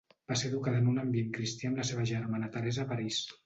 Va ser educada en un ambient cristià amb la seva germana Teresa París.